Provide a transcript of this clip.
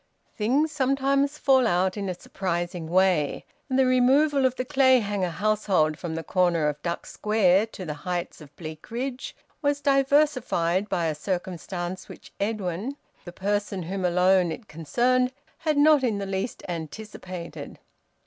Things sometimes fall out in a surprising way, and the removal of the Clayhanger household from the corner of Duck Square to the heights of Bleakridge was diversified by a circumstance which Edwin, the person whom alone it concerned, had not in the least anticipated.